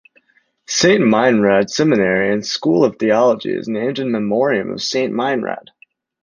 Saint Meinrad Seminary and School of Theology is named in memoriam of Saint Meinrad.